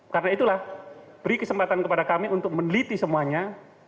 karena itulah beri kesempatan kepada kami untuk meneliti semuanya